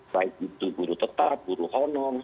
baik itu guru tetap guru honong